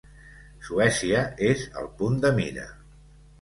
Suècia és al punt de mira.